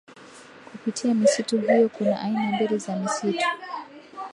kupitia misitu hiyo Kuna aina mbili za misitu